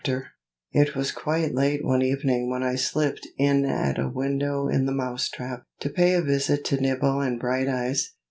IT was quite late one evening when I slipped in at a window in the Mouse trap, to pay a visit to Nibble and Brighteyes.